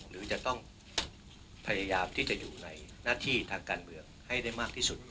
หรือจะต้องพยายามที่จะอยู่ในหน้าที่ทางการเมืองให้ได้มากที่สุด